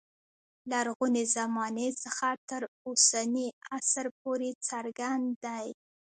لرغونې زمانې څخه تر اوسني عصر پورې څرګند دی.